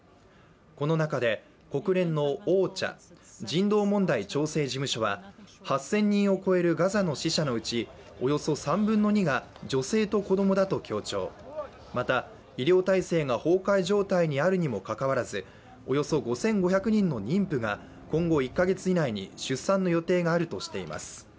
この中で、国連のＯＣＨＡ＝人道問題調整事務所は８０００人を超えるガザの死者のうちおよそ３分の２が女性と子供だと強調、また、医療体制が崩壊状態にあるにもかかわらずおよそ５５００人の妊婦が今後１か月以内に出産の予定があるとしています。